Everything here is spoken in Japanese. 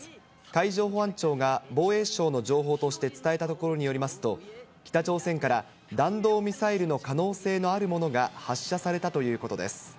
海上保安庁が防衛省の情報として伝えたところによりますと、北朝鮮から弾道ミサイルの可能性のあるものが発射されたということです。